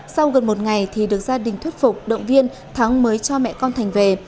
sau gần một ngày thì được gia đình thuyết phục động viên thắng mới cho mẹ con thành về